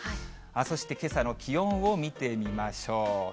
そして、けさの気温を見てみましょう。